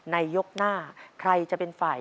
ยกหน้าใครจะเป็นฝ่าย